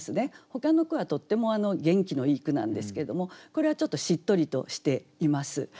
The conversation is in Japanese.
ほかの句はとっても元気のいい句なんですけれどもこれはちょっとしっとりとしています。